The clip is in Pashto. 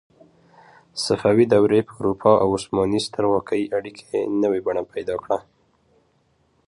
صفوي دورې په اروپا او عثماني سترواکۍ اړیکې نوې بڼه پیدا کړه.